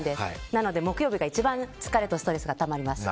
なので木曜日が一番疲れとストレスがたまります。